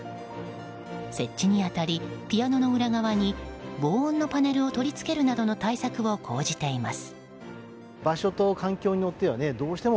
設置に当たり、ピアノの裏側に防音のパネルを取り付けるなどの対策を講じています。